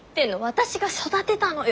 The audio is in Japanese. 私が育てたのよ。